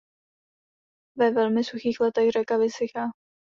Ve velmi suchých letech řeka vysychá.